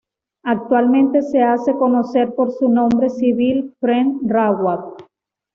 Actualmente se hace conocer por su nombre civil, Prem Rawat.